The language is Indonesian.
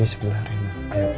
di sebelah rena